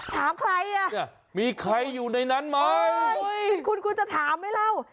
ถามใครอ่ะมีใครอยู่ในนั้นไหมคุณคุณจะถามไหมเล่า